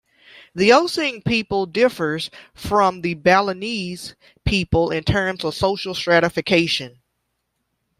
The Osing people differs from the Balinese people in terms of social stratification.